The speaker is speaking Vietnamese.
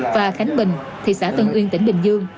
và khánh bình thị xã tân uyên tỉnh bình dương